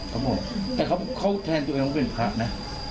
ก็หมดแต่เขาแทนตัวเองเป็นพระนะ